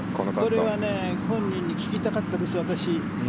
これは本人に聞きたかったです私。